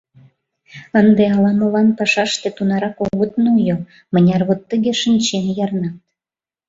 Ынде ала-молан пашаште тунарак огыт нойо, мыняр вот тыге шинчен ярнат.